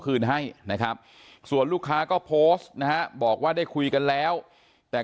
คืนให้นะครับส่วนลูกค้าก็โพสต์นะฮะบอกว่าได้คุยกันแล้วแต่